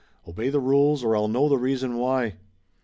"Obey the rules or I'll know the reason why."